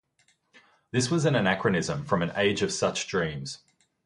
This was an anachronism from an age of such dreams.